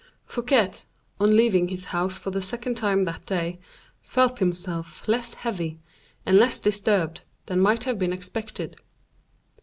Fouquet, on leaving his house for the second time that day, felt himself less heavy and less disturbed than might have been expected.